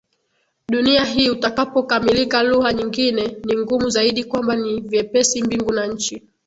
dunia hii utakapokamilika lugha nyingine ni ngumu Zaidi kwamba ni vyepesi mbingu na nchi